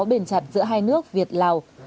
bền chặt giữa hai nước việt lào